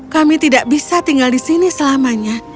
kami tidak bisa tinggal di sini selamanya